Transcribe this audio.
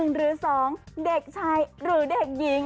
หรือ๒เด็กชายหรือเด็กหญิง